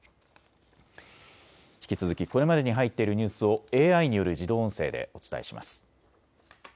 引き続きこれまでに入っているニュースをＡＩによる自動音声でお伝えします。